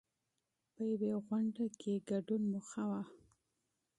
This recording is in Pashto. په یوې غونډې کې ګډون موخه وه.